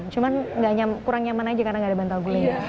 cuman kurang nyaman aja karena nggak ada bantal guling